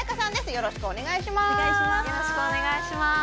よろしくお願いします